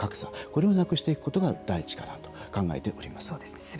これをなくしていくことが第一かなと考えております。